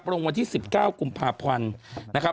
ลงวันที่๑๙กุมภาพันธ์นะครับ